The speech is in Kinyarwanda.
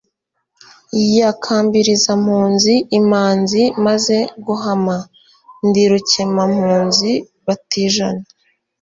Ya Kambilizampunzi, imanzi maze guhama..Ndi Rukemampunzi batijana,